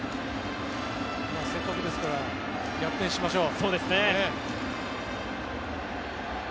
せっかくですから逆転しましょう。